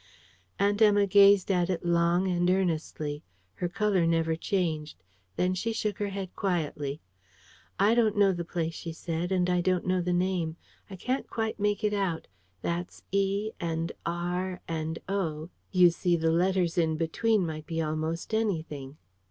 Aunt Emma gazed at it long and earnestly. Her colour never changed. Then she shook her head quietly. "I don't know the place," she said; "and I don't know the name. I can't quite make it out. That's E, and R, and O. You see, the letters in between might be almost anything."